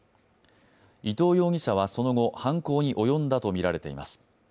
伊藤容疑者はその後、犯行に及んだとみられています。